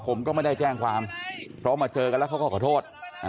ผมก็ไม่ได้แจ้งความเพราะมาเจอกันแล้วเขาก็ขอโทษ